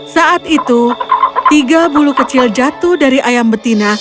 saat itu tiga bulu kecil jatuh dari ayam betina